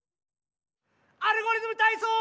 「アルゴリズムたいそう」！